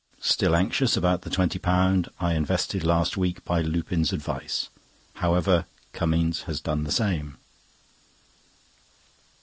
Still anxious about the £20 I invested last week by Lupin's advice. However, Cummings has done the same.